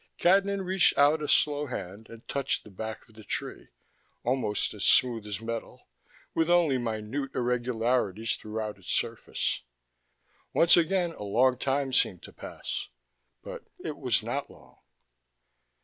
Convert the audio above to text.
Cadnan reached out a slow hand and touched the back of the tree, almost as smooth as metal, with only minute irregularities throughout its surface. Once again a long time seemed to pass, but it was not long.